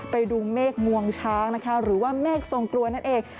ไปดูเมฆงวงช้างนะคะหรือว่าเมฆทรงกลัวนั่นเอง